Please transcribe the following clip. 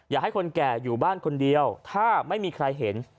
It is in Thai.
ให้คนแก่อยู่บ้านคนเดียวถ้าไม่มีใครเห็น